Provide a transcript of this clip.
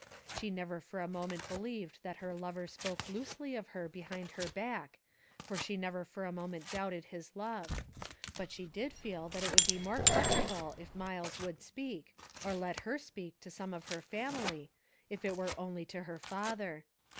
She never for a moment believed that her lover spoke loosely of her behind her back, for she never for a moment doubted his love; but she did feel that it would be more comfortable if Myles would speak, or let her speak to some of her family, if it were only to her father.